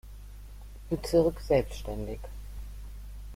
Bezirk „selbstständig“.